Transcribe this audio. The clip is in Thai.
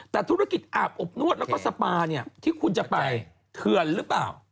แต่ธุรกิจอาบอบนวดแล้วก็สปาเนี่ยที่คุณจะไปเถื่อนหรือเปล่า